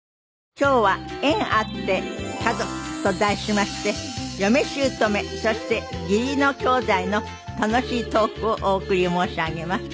今日は「縁あって家族！」と題しまして嫁姑そして義理のきょうだいの楽しいトークをお送り申し上げます。